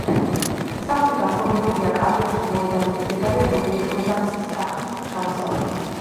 სახლი გაფორმებულია კათედრის მოედანზე მდებარე როდაქსის სახლის მსგავსად.